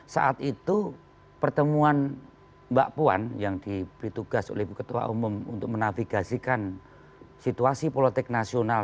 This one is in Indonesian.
saat itu pertemuan mbak puan yang diberi tugas oleh ibu ketua umum untuk menafigasikan situasi politik nasional